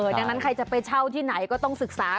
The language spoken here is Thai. ดังนั้นใครจะไปเช่าที่ไหนก็ต้องศึกษา